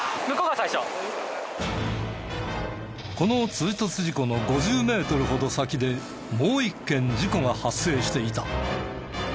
この追突事故の５０メートルほど先でもう一件事故が発生していた。